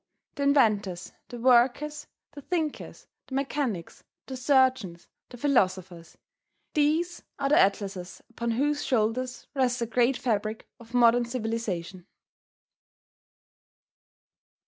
The inventors, the workers, the thinkers, the mechanics, the surgeons, the philosophers these are the Atlases upon whose shoulders rests the great fabric of modern civilization.